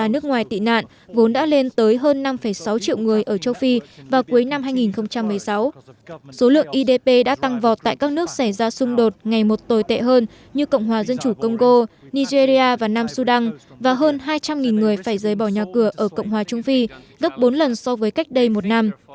những người tăng vòt tại các nước xảy ra xung đột ngày một tồi tệ hơn như cộng hòa dân chủ công gô nigeria và nam sudan và hơn hai trăm linh người phải rời bỏ nhà cửa ở cộng hòa trung phi gấp bốn lần so với cách đây một năm